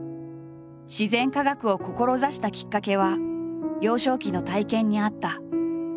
自然科学を志したきっかけは幼少期の体験にあった。